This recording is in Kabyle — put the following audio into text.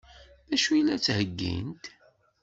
D acu i la d-ttheggint?